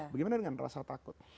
bagaimana dengan rasa takut